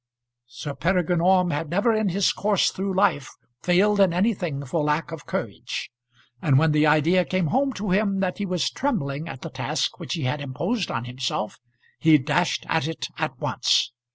Sir Peregrine Orme had never in his course through life failed in anything for lack of courage; and when the idea came home to him that he was trembling at the task which he had imposed on himself, he dashed at it at once.